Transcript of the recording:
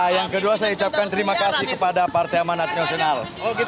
yang kedua saya ucapkan terima kasih kepada partai amanat nasional